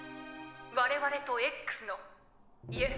我々とＸのいえ